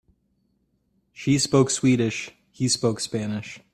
She spoke Swedish, he spoke Spanish.